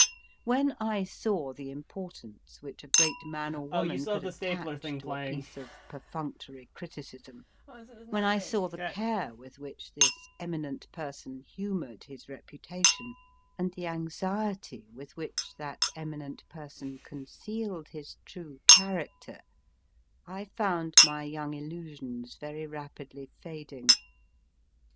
When I saw the importance which a great man or woman could attach to a piece of perfunctory criticism, when I saw the care with which this Eminent Person humoured his reputation, and the anxiety with which that Eminent Person concealed his true character, I found my young illusions very rapidly fading.